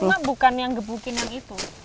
jadi ma'ikah bukan yang ngebukin yang itu